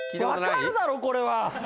わかるだろこれは！